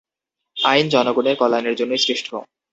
আইন জনগণের কল্যাণের জন্যই সৃষ্ট।